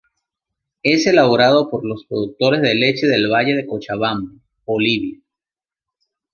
Es elaborado por los productores de leche del valle de Cochabamba, Bolivia.